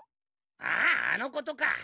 あああのことか。